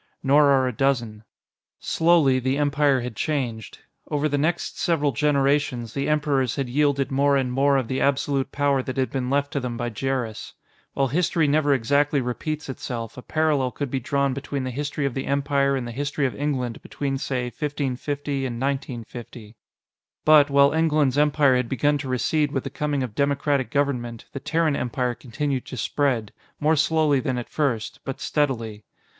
Nor are a dozen. Slowly, the Empire had changed. Over the next several generations, the Emperors had yielded more and more of the absolute power that had been left to them by Jerris. While history never exactly repeats itself, a parallel could be drawn between the history of the Empire and the history of England between, say, 1550 and 1950. But, while England's empire had begun to recede with the coming of democratic government, the Terran Empire continued to spread more slowly than at first, but steadily.